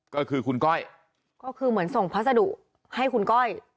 ก็คือคุณก้อยก็คือเหมือนส่งพัสดุให้คุณก้อย